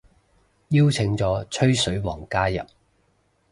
邀請咗吹水王加入